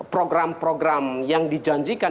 program program yang dijanjikan